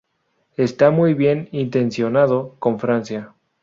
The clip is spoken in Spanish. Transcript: Está muy bien intencionado con Francia".